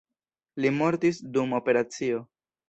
Li mortis dum operacio.